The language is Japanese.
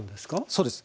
そうです。